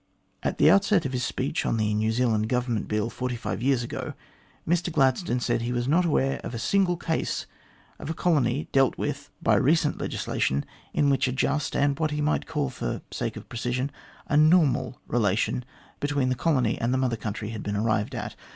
At the outset of his speech on the New Zealand Govern ment Bill forty five years ago, Mr Gladstone said he was .not aware of a single case of a colony dealt with by recent 205 206 THE GLADSTONE COLONY legislation, in which a just, and what he might call for the sake of precision, a normal relation between the colony and the Mother Country had been arrived at.